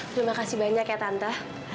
terima kasih banyak ya tanta